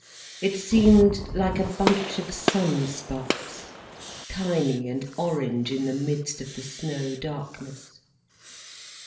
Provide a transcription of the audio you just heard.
It seemed like a bunch of sun sparks, tiny and orange in the midst of the snow darkness.